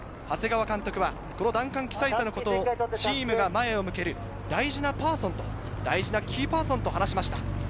長谷川監督はキサイサのことをチームが前を向ける大事なパーソン、大事なキーパーソンと話しました。